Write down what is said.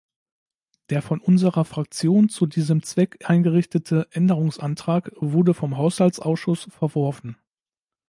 Der von unserer Fraktion zu diesem Zweck eingereichte Änderungsantrag wurde vom Haushaltsausschuss verworfen.